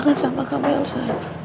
kenapa sih lo